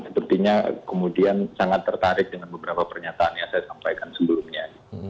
sepertinya kemudian sangat tertarik dengan beberapa pernyataan yang saya sampaikan sebelumnya